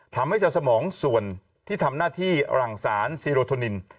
ทำให้จะสมองส่วนที่ทำหน้าที่หลังสารซีโรโทนิน